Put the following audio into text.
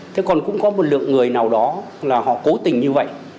thế còn cũng có một lượng người nào đó là họ cố tình như vậy